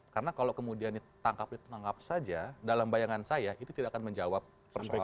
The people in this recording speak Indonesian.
karena kalau kemudian ditangkap ditanangkap saja dalam bayangan saya itu tidak akan menjawab persoalan